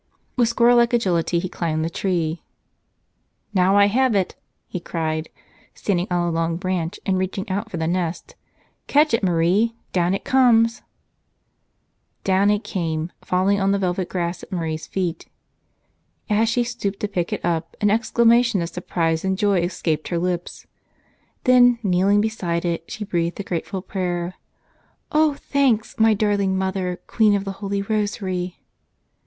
With squirrel like agility he climbed the tree. "Now I have it," he cried, standing on a long branch and reaching out for the nest. "Catch it, Marie ! Down it comes !" Down it came, falling on the velvet grass at Marie's feet. As she stooped to pick it up an exclamation of surprise and joy escaped her lips. Then kneeling be¬ side it she breathed a grateful prayer : "O thanks, my darling Mother, Queen of the Holy Rosary!"